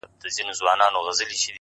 علم د انسان وړتیا زیاتوي.!